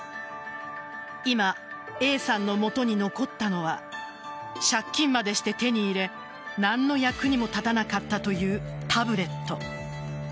今、Ａさんの元に残ったのは借金までして手に入れ何の役にも立たなかったというタブレット。